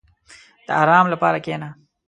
• د آرام لپاره کښېنه.